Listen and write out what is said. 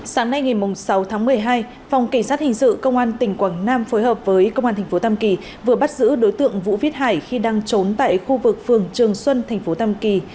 sáng nay ngày sáu tháng một mươi hai phòng kỳ sát hình sự công an tỉnh quảng nam phối hợp với công an tp tam kỳ vừa bắt giữ đối tượng vũ viết hải khi đang trốn tại khu vực phường trường xuân tp tam kỳ